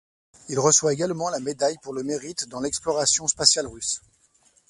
Il reçoit également la Médaille Pour le mérite dans l'exploration spatiale russe.